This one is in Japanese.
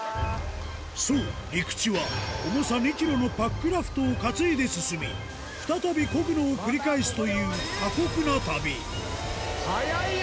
そう陸地は重さ２ｋｇのパックラフトを担いで進み再び漕ぐのを繰り返すという早いよ！